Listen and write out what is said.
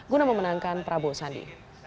guna memenangkan prabowo sandi